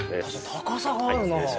高さがあるな。